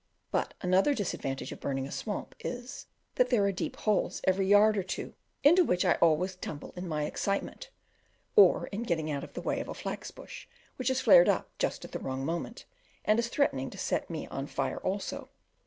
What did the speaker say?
But another disadvantage of burning a swamp is, that there are deep holes every yard or two, into which I always tumble in my excitement, or in getting out of the way of a flax bush which has flared up just at the wrong moment, and is threatening to set me on fire also.